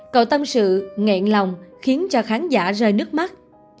cậu tâm sự nghẹn lòng khiến cho khán giả rơi nước mắt